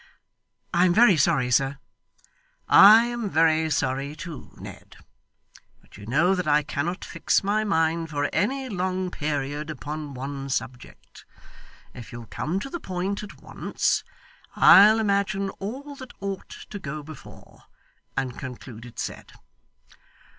'I am very sorry, sir.' 'I am very sorry, too, Ned, but you know that I cannot fix my mind for any long period upon one subject. If you'll come to the point at once, I'll imagine all that ought to go before, and conclude it said.